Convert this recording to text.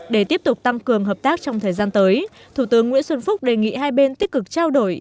để tiếp tục tăng cường hợp tác trong thời gian tới thủ tướng nguyễn xuân phúc đề nghị hai bên tích cực trao đổi